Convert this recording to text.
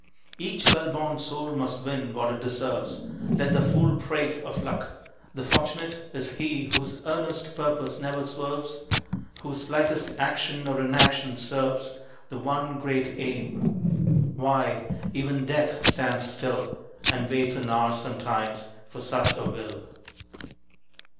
Each well born soul must win what it deserves. Let the fool prate of luck. The fortunate Is he whose earnest purpose never swerves, Whose slightest action or inaction serves The one great aim. Why, even Death stands still, And waits an hour sometimes for such a will.